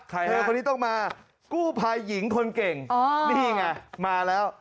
เธอคนนี้ต้องมากู้ภัยหญิงคนเก่งอ๋อนี่ไงมาแล้ว